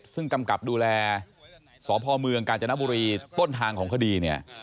ซึ่งกำกับดูแลสพเมืองกาญจนบุรีต้นทางของคดีเนี่ย